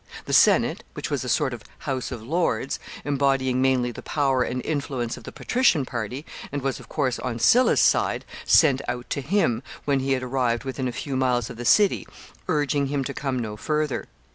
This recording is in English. The Senate, which was a sort of House of Lords, embodying mainly the power and influence of the patrician party, and was, of course, on Sylla's side, sent out to him, when he had arrived within a few miles of the city, urging him to come no further.